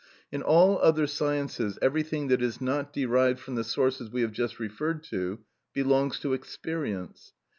In all other sciences everything that is not derived from the sources we have just referred to belongs to experience.